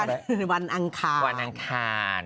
พวกกันวันอังคาร